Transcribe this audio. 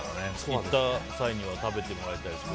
行った際には食べてもらいたいですね。